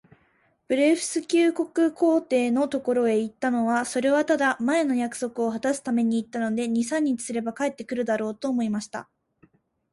ブレフスキュ国皇帝のところへ行ったのは、それはただ、前の約束をはたすために行ったので、二三日すれば帰って来るだろう、と思っていました。